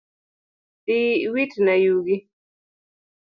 Dhi witna yugi